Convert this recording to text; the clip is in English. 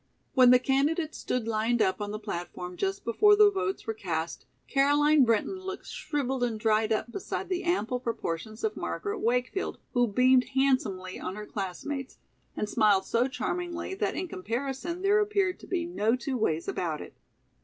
When the candidates stood lined up on the platform just before the votes were cast, Caroline Brinton looked shriveled and dried up beside the ample proportions of Margaret Wakefield, who beamed handsomely on her classmates and smiled so charmingly that in comparison there appeared to be no two ways about it.